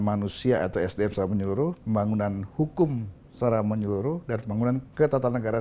manusia atau sdm secara menyeluruh pembangunan hukum secara menyeluruh dan pembangunan ketatanegaraan